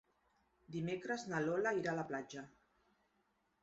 Dimecres na Lola irà a la platja.